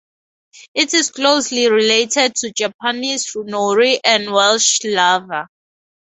It is closely related to Japanese Nori and Welsh laver.